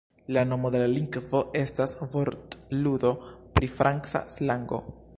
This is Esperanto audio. La nomo de la lingvo estas vortludo pri franca slango.